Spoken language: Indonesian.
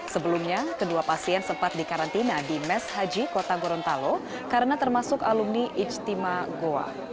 sebelumnya kedua pasien sempat dikarantina di mes haji kota gorontalo karena termasuk alumni ijtima goa